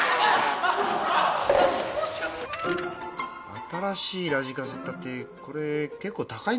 新しいラジカセったってこれ結構高いんだろ？